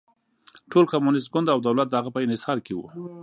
ټول کمونېست ګوند او دولت د هغه په انحصار کې و.